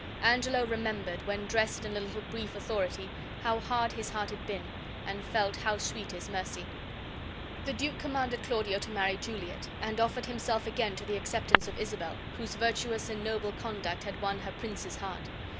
Angelo remembered, when dressed in a little brief authority, how hard his heart had been, and felt how sweet is mercy. The duke commanded Claudio to marry Juliet, and offered himself again to the acceptance of Isabel, whose virtuous and noble conduct had won her prince's heart.